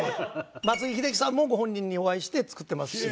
松井秀喜さんもご本人にお会いして作ってますし。